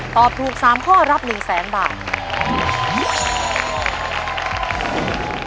ตอบถูก๓ข้อรับ๑แสนบาท